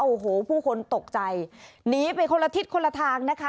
โอ้โหผู้คนตกใจหนีไปคนละทิศคนละทางนะคะ